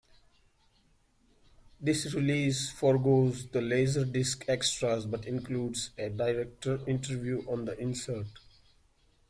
This release forgoes the laserdisc extras but includes a director interview on the insert.